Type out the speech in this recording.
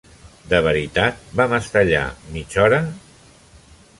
De veritat vam estar allà mitja hora?